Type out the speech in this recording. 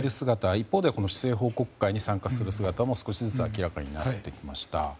一方で市政報告会に参加する姿も少しずつ明らかになってきました。